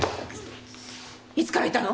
いつからいたの？